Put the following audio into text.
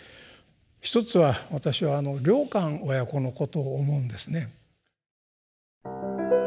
一つは私はあの良寛親子のことを思うんですね。